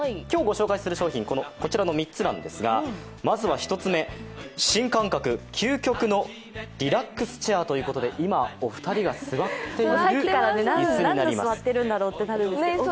今日ご紹介する商品はこちらの３つなんですがまずは１つ目、新感覚、究極のリラックスチェアということで今、お二人が座っている椅子になります。